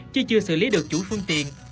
chứ chưa xử lý được chủ phương tiện